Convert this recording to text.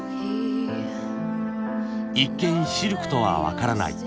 一見シルクとは分からない